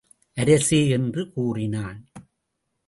அரசே! என்று கூறினான்.